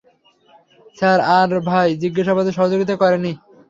Sir, তার ভাই জিজ্ঞাসাবাদে সহযোগিতা করেনি।